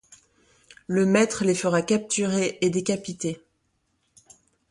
Le maître les fera capturer et décapiter.